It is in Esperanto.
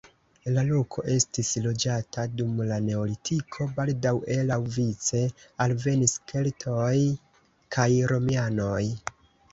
La loko estis loĝata dum la neolitiko, baldaŭe laŭvice alvenis keltoj kaj romianoj.